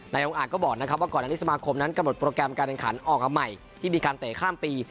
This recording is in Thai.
องค์อาจก็บอกนะครับว่าก่อนอันนี้สมาคมนั้นกำหนดโปรแกรมการแข่งขันออกมาใหม่ที่มีการเตะข้ามปี